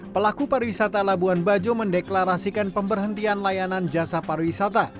pelaku pariwisata labuan bajo mendeklarasikan pemberhentian layanan jasa pariwisata